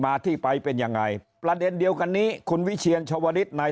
มาที่ไปเป็นยังไงประเด็นเดียวกันนี้คุณวิเชียรชวริสนาย